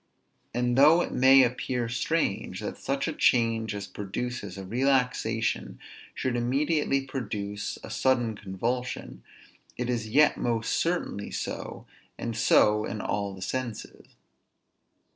And though it may appear strange that such a change as produces a relaxation should immediately produce a sudden convulsion; it is yet most certainly so, and so in all the senses.